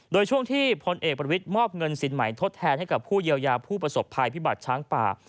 โดยช่วงที่พลเอกประวิทย์มอบเงินสินใหม่ทดแทนให้กับผู้เยียวยาผู้ประสบภัยพิบัติช้างป่า